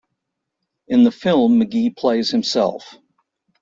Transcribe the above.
In the film McGee plays himself.